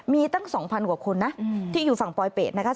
มีตั้ง๒๐๐กว่าคนนะที่อยู่ฝั่งปลอยเป็ดนะคะ